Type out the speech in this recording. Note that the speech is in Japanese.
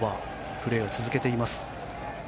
プレーを続けています。